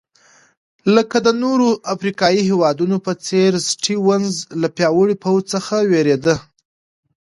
لکه د نورو افریقایي هېوادونو په څېر سټیونز له پیاوړي پوځ څخه وېرېده.